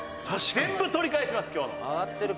「全部取り返します今日の」